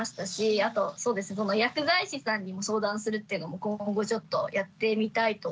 あとそうですね薬剤師さんにも相談するっていうのも今後ちょっとやってみたいと思います。